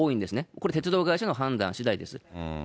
これ、鉄道会社の判断しだいです。